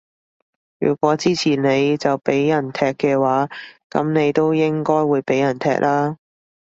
如果支持你就畀人踢嘅話，噉你都應該會畀人踢啦